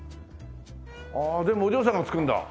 ああでもお嬢さんが作るんだ。